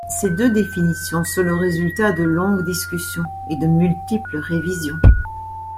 Ces deux définitions sont le résultat de longues discussions et de multiples révisions.